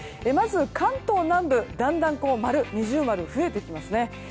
まず関東南部だんだん丸、二重丸が増えてきますよね。